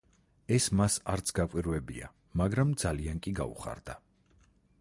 ეს მას არც გაკვირვებია, მაგრამ ძალიან კი გაუხარდა.